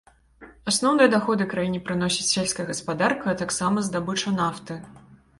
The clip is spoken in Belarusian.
Асноўныя даходы краіне прыносіць сельская гаспадарка, а таксама здабыча нафты.